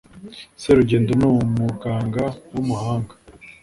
serugendo ni umuganga w’umuhanga